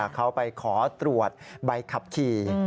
เขาไปขอตรวจใบขับขี่